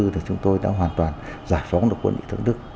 thì chúng tôi đã hoàn toàn giải phóng được quân địa thượng đức